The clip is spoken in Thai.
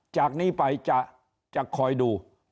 จากนี้ไปจะคอยดู